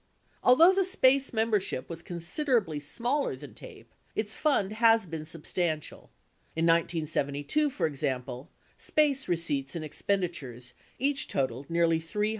Although the SPACE membership was considerably smaller than TAPE, its fund has been substantial. In 1972, for example, SPACE receipts and expenditures each totaled nearly $300,000.